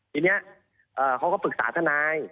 ทีนี้เขาก็ปรึกษาทนาย